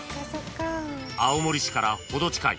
［青森市から程近い